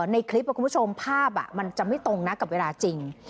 ในคลิปคุณผู้ชมภาพมันจะไม่ตรงนะกับเวลาจริง